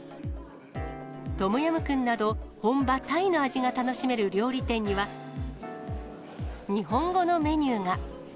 トムヤムクンなど、本場タイの味が楽しめる料理店には、日本語のメニューが。